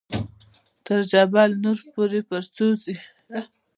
تر جبل نور پورې په څو ځې.